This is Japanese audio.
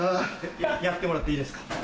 やってもらっていいですか？